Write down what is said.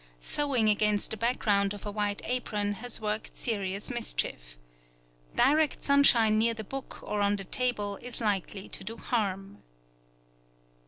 Sewing against the background of a white apron has worked serious mischief. Direct sunshine near the book or on the table is likely to do harm.